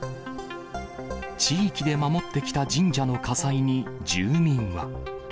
地域で守ってきた神社の火災に、住民は。